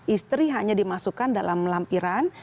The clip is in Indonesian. istri hanya dimasukkan dalam lampiran